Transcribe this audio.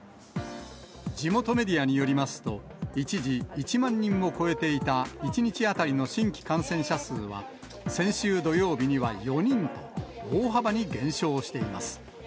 地元メディアによりますと、一時、１万人を超えていた１日当たりの新規感染者数は、先週土曜日には４人と、大幅に減少しています。